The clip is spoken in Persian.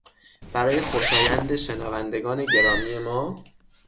برای خوشایند شنوندگان گرامی ما